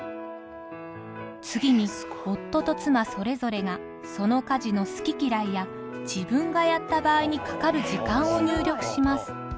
次に夫と妻それぞれがその家事の好き嫌いや自分がやった場合にかかる時間を入力します。